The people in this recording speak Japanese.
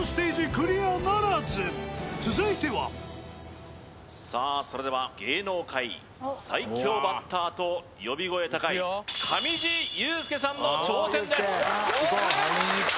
クリアならず続いてはさあそれでは芸能界最強バッターと呼び声高い上地雄輔さんの挑戦です